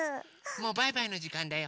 もうバイバイのじかんだよ。